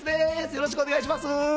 よろしくお願いします。